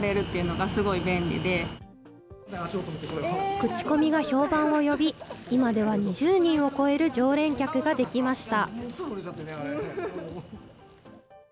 口コミが評判を呼び、今では２０人を超える常連客ができました。